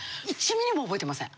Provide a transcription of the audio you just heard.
１ミリも覚えてません。